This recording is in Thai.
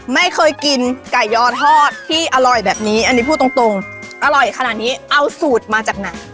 ไม่เคยกินไก่ยอทอดที่อร่อยแบบนี้อันนี้พูดตรงตรงอร่อยขนาดนี้เอาสูตรมาจากไหน